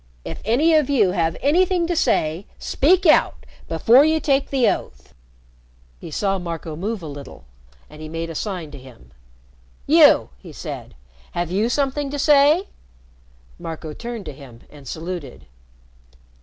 If any of you have anything to say, speak out before you take the oath." He saw Marco move a little, and he made a sign to him. "You," he said. "Have you something to say?" Marco turned to him and saluted.